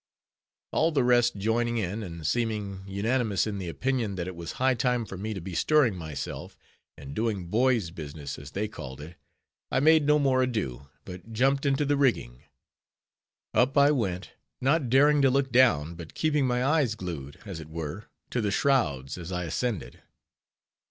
All the rest joining in, and seeming unanimous in the opinion, that it was high time for me to be stirring myself, and doing boy's business, as they called it, I made no more ado, but jumped into the rigging. Up I went, not daring to look down, but keeping my eyes glued, as it were, to the shrouds, as I ascended.